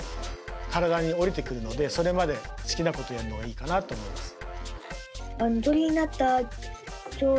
体におりてくるのでそれまで好きなことをやるのがいいかなと思います。